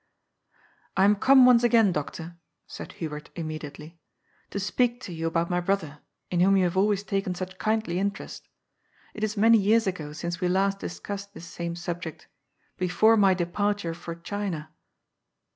" I am come once again. Doctor," said Hubert immedi ately, " to speak to you about my brother, in whom you have always taken such kindly interest. It is many years ago since we last discussed this same subject together. Before my departure for China."